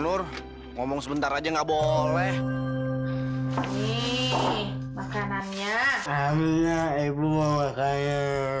nur ngomong sebentar aja nggak boleh nih makanannya